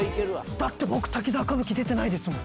だって僕『滝沢歌舞伎』出てないですもん！